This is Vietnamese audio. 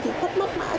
thì thất mất mãi